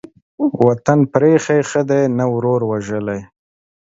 وطن پرې ايښى ښه دى ، نه ورور وژلى.